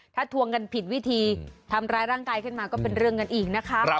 ถ้าทวงกันผิดวิธีทำร้ายร่างกายขึ้นมาก็เป็นเรื่องกันอีกนะคะ